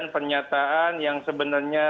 pernyataan yang sebenarnya